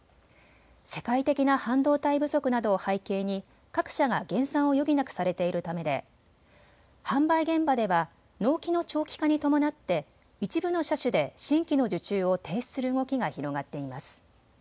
世界的な半導体不足などを背景に各社が減産を余儀なくされているためで販売現場では納期の長期化に伴って一部の車種で新規の受注を停止する動きが広がっています。